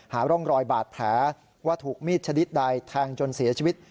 หาร่องรอยบาดแผลว่าถูกมีดชนิดใดแทงจนเสียชีวิต